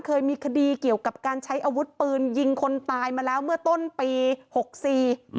เคยมีคดีเกี่ยวกับการใช้อาวุธปืนยิงคนตายมาแล้วเมื่อต้นปีหกสี่อืม